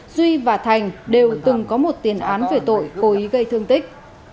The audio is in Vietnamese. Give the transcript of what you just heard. tuy nhiên duy và thành đều từng có một tiền án về tội cố ý gây thương tích